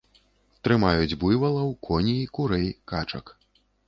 Трымаюць буйвалаў, коней, курэй, качак.